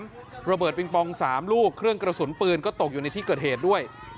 ระเบิดปิงปอง๓ลูกเครื่องกระสุนปืนก็ตกอยู่ในที่เกิดเหตุด้วย